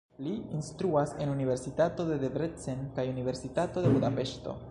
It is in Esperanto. Li instruas en universitato de Debrecen kaj Universitato de Budapeŝto.